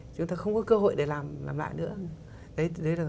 chúng ta không có cơ hội để làm lại nữa